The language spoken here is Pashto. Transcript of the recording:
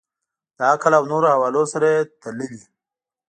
د عقل او نورو حوالو سره یې تللي.